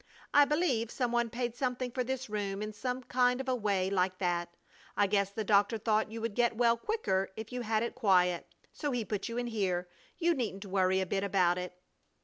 I believe some one paid something for this room in some kind of a way like that. I guess the doctor thought you would get well quicker if you had it quiet, so he put you in here. You needn't worry a bit about it."